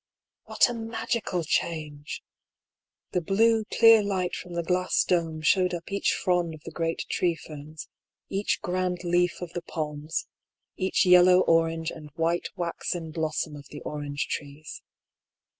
29 What a magical change I The blue clear light from the glass dome showed up each frond of the great tree ferns, each grand leaf of the palms, each yellow orange and white waxen blossom of the orange trees.